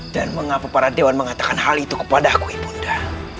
dan mengapa para dewan mengatakan hal itu kepadaku bunda